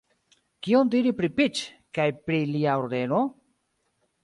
Kion diri pri Piĉ kaj pri lia Ordeno?